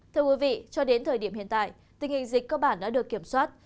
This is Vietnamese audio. thưa quý vị cho đến thời điểm hiện tại tình hình dịch cơ bản đã được kiểm soát